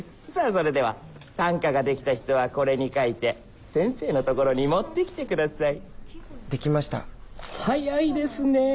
それでは短歌ができた人はこれに書いて先生の所に持ってきてくださいできました早いですねえ